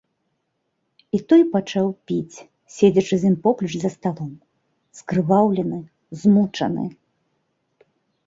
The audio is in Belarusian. І той пачаў піць, седзячы з імі поплеч за сталом, скрываўлены, змучаны.